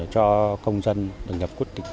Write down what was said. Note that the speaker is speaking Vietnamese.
cho công dân được nhập quốc tịch việt nam